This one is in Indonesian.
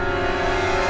aku mau lihat